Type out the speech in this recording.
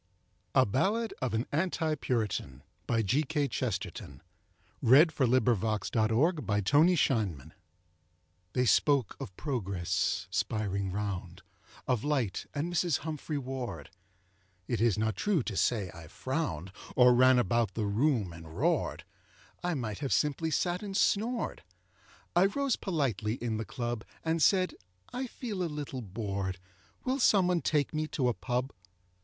ore we go to Paradise by way of Kensal Green. G. K. Chesterton A Ballade of an Anti Puritan THEY spoke of Progress spiring round, Of light and Mrs Humphrey Ward It is not true to say I frowned, Or ran about the room and roared; I might have simply sat and snored I rose politely in the club And said, `I feel a little bored; Will someone take me to a pub?'